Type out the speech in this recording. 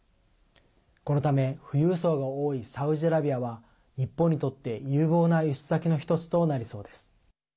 このため富裕層が多いサウジアラビアは日本にとって有望な輸出先の１つとなりそうです。